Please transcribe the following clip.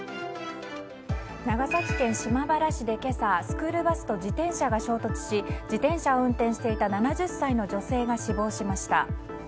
長崎県島原市で今朝、スクールバスと自転車が衝突し自転車を運転していた７０歳の女性が死亡しました。